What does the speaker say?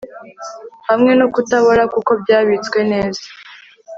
Hamwe no kutabora kuko byabitswe neza